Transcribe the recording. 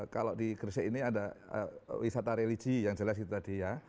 kalau di gresik ini ada wisata religi yang jelas itu tadi ya